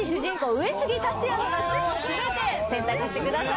上杉達也の画像を全て選択してください。